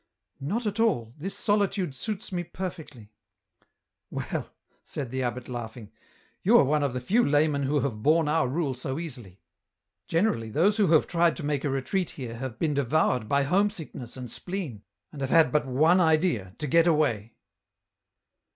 " Not at all, this solitude suits me perfectly." "Well," said the abbot, laughing, "you are one of the few laymen who have borne our rule so easily. Generally those who have tried to make a retreat here have been devoured by home sickness and spleen, and have had but one idea, to get away."